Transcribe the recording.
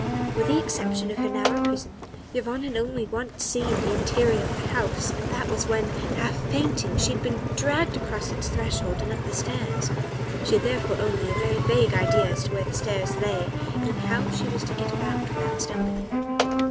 With the exception of her narrow prison Yvonne had only once seen the interior of the house and that was when, half fainting, she had been dragged across its threshold and up the stairs. She had therefore only a very vague idea as to where the stairs lay and how she was to get about without stumbling.